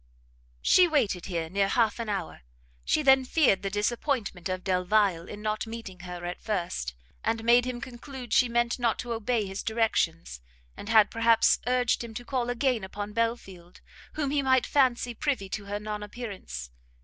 She waited here near half an hour. She then feared the disappointment of Delvile in not meeting her at first, had made him conclude she meant not to obey his directions, and had perhaps urged him to call again upon Belfield, whom he might fancy privy to her non appearance.